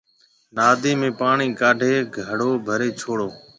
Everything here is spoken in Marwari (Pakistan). نادِي ۾ پاڻِي ڪاڍي گھڙو ڀرَي ڇوڙو